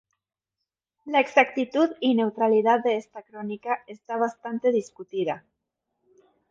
La exactitud y neutralidad de esta crónica está bastante discutida.